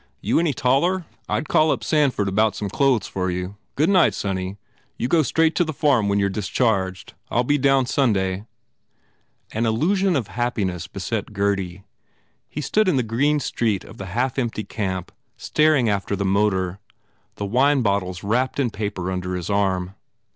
You any taller? I ll call up Sanford about some clothes for you. Good 140 GURDY night, sonny. You go straight to the farm when you re discharged. I ll be down Sunday." An illusion of happiness beset Gurdy. He stood in the green street of the half empty camp staring after the motor, the wine bottles wrapped in paper under his arm.